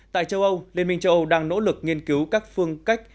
tại châu âu liên minh châu âu đang nỗ lực nghiên cứu các phương cách